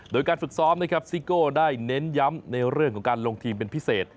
โดยการฝึกซ้อมนะครับซิโก้ได้เน้นย้ำในเรื่องของการลงทีมเป็นพิเศษ